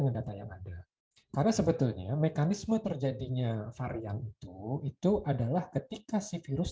dengan data yang ada karena sebetulnya mekanisme terjadinya varian itu itu adalah ketika si virus